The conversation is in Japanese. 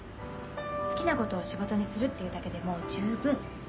好きなことを仕事にするっていうだけでもう十分。